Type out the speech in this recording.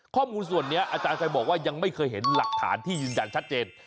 ข้อมูลส่วนนี้อาจารย์ชัยบอกว่ายังไม่เคยเห็นหลักฐานที่ยืนยันชัดเจน